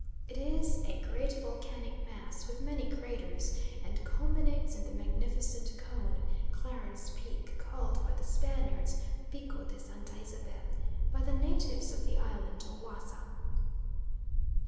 It is a great volcanic mass with many craters, and culminates in the magnificent cone, Clarence Peak, called by the Spaniards, Pico de Santa Isabel, by the natives of the island O Wassa.